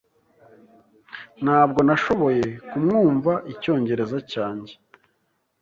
Ntabwo nashoboye kumwumva icyongereza cyanjye.